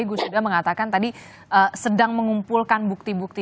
gus ida mengatakan tadi sedang mengumpulkan bukti bukti